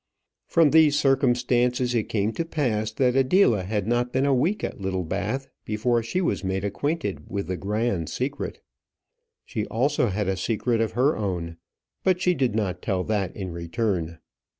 From these circumstances it came to pass that Adela had not been a week at Littlebath before she was made acquainted with the grand secret. She also had a secret of her own; but she did not tell that in return.